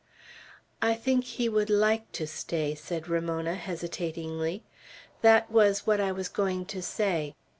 "I think he would like to stay," said Ramona, hesitatingly. "That was what I was going to say."